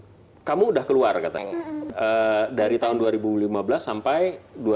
nah kamu udah keluar katanya dari tahun dua ribu lima belas sampai dua ribu tujuh belas ini